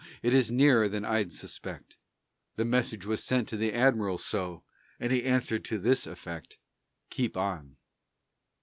It is nearer than I'd suspect." The message was sent to the admiral so, And he answered to this effect: "Keep on."